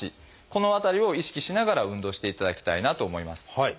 この辺りを意識しながら運動していただきたいなと思います。